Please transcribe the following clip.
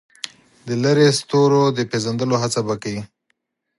د لرې ستوریو د پېژندلو هڅه به کوي.